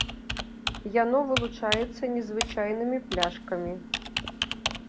Яно вылучаецца незвычайнымі пляшкамі.